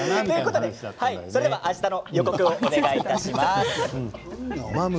あしたの予告をお願いします。